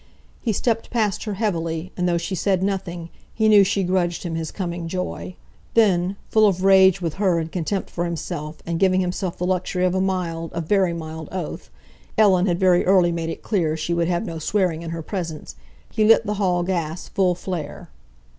He stepped past her heavily, and though she said nothing, he knew she grudged him his coming joy. Then, full of rage with her and contempt for himself, and giving himself the luxury of a mild, a very mild, oath—Ellen had very early made it clear she would have no swearing in her presence—he lit the hall gas full flare.